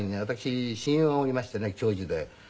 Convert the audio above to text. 私親友がおりましてね教授で。